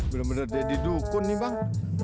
bener bener deddy dukun nih bang